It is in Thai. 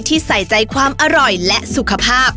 ใส่ใจความอร่อยและสุขภาพ